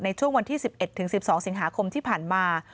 ในช่วงวันที่๑๑๑๒สิงหาคมที่ผ่านมา